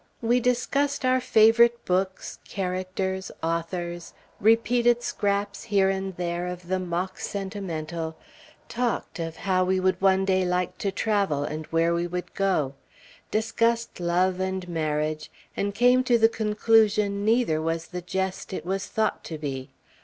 We discussed our favorite books, characters, authors, repeated scraps here and there of the mock sentimental, talked of how we would one day like to travel, and where we would go; discussed love and marriage, and came to the conclusion neither was the jest it was thought to be.